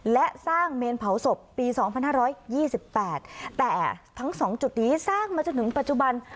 และสร้างเมนเผาศพปีสองพันห้าร้อยยี่สิบแปดแต่ทั้งสองจุดนี้สร้างมาจนถึงปัจจุบัน